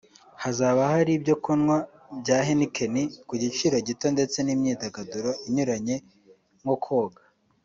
Hazaba hari ibyo kunywa bya Heineken ku giciro gito ndetse n’imyidagaduro inyuranye nko koga